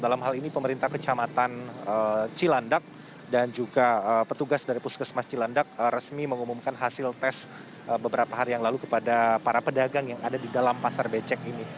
dalam hal ini pemerintah kecamatan cilandak dan juga petugas dari puskesmas cilandak resmi mengumumkan hasil tes beberapa hari yang lalu kepada para pedagang yang ada di dalam pasar becek ini